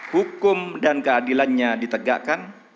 hukum dan keadilannya ditegakkan